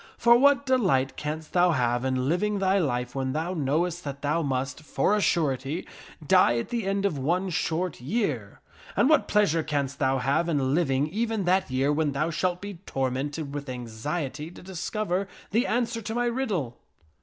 For what delight canst thou have in living thy life when thou knowest that thou must, for a surety, die at the end of one short year ? And what pleasure canst thou have in living even that year when thou shalt be tormented with anxiety to discover the answer to my riddle?"